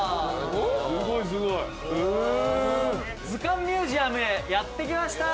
ずかんミュージアムへやって来ました。